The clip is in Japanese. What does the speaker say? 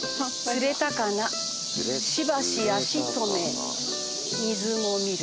釣れたかなしばし足止め水面見る。